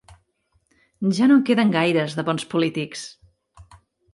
Ja no en queden gaires, de bons polítics.